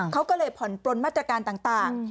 เขาก็เลยผ่อนปลนมาตรการต่าง